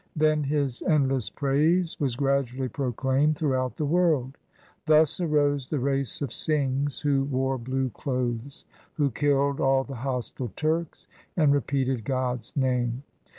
Then his endless praise was gradually proclaimed through out the world. Thus arose the race of Singhs who wore blue clothes, Who killed all the hostile Turks, and repeated God's name.